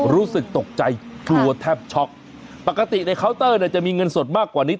รู้สึกตกใจกลัวแทบช็อกปกติในเคาน์เตอร์เนี่ยจะมีเงินสดมากกว่านี้